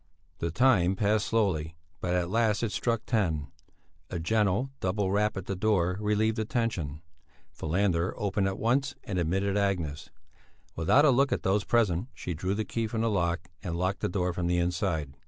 The time passed slowly, but at last it struck ten. A gentle double rap at the door relieved the tension. Falander opened at once and admitted Agnes. Without a look at those present she drew the key from the lock, and locked the door from the inside.